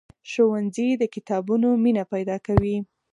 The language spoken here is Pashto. ښوونځی د کتابونو مینه پیدا کوي.